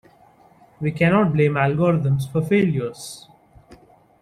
We cannot blame algorithms for failures.